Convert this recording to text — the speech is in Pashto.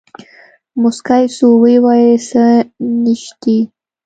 موسکى سو ويې ويل سه نيشتې.